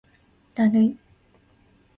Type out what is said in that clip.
だるい